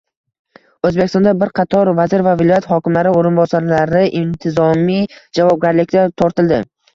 O‘zbekistonda bir qator vazir va viloyat hokimlari o‘rinbosarlari intizomiy javobgarlikka tortildi